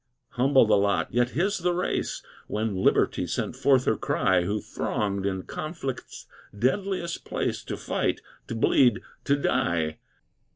Humble the lot, yet his the race, When Liberty sent forth her cry, Who thronged in conflict's deadliest place, To fight, to bleed, to die!